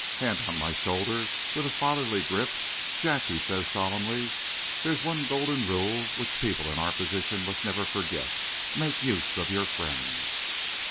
Hand on my shoulder with a fatherly grip. 'Jack,' he said solemnly, 'there's one golden rule which people in our position must never forget. Make use of your friends.'"